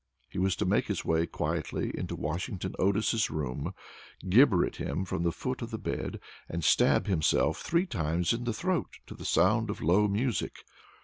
He was to make his way quietly to Washington Otis's room, gibber at him from the foot of the bed, and stab himself three times in the throat to the sound of low music.